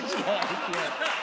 ハハハハ！